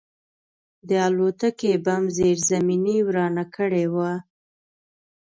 د الوتکې بم زیرزمیني ورانه کړې وه